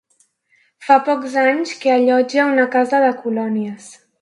Fa pocs anys que allotja una casa de colònies.